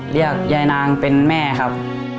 เรียกยายนางเป็นแม่ครับ